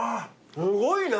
すごいな！